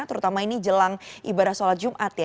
terutama ini jelang ibadah sholat jumat ya